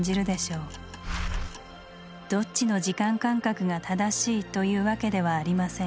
どっちの時間感覚が正しいというわけではありません。